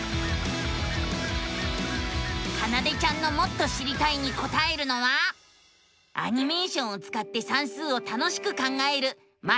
かなでちゃんのもっと知りたいにこたえるのはアニメーションをつかって算数を楽しく考える「マテマティカ２」。